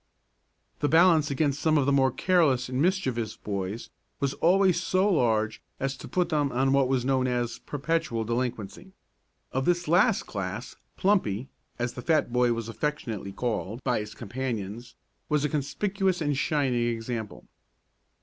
The balance against some of the more careless and mischievous boys was always so large as to put them on what was known as perpetual delinquency. Of this last class "Plumpy," as the fat boy was affectionately called by his companions, was a conspicuous and shining example.